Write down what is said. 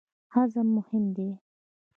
هضم مهم دی.